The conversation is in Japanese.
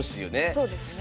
そうですね。